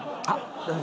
あっ。